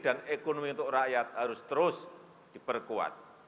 dan ekonomi untuk rakyat harus terus diperkuat